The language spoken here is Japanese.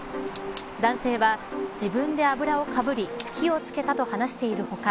男性は、自分で油をかぶり火をつけたと話している他